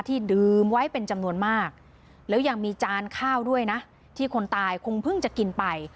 ที่ดื่มไว้เป็นจำนวนมากแล้วยังมีจานข้าวด้วยนะที่คนตายคงเพิ่งจะกินไป